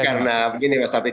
ini karena begini mas daudik